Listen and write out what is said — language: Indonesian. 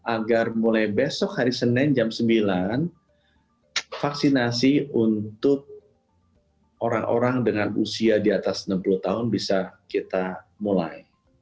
agar mulai besok hari senin jam sembilan vaksinasi untuk orang orang dengan usia di atas enam puluh tahun bisa kita mulai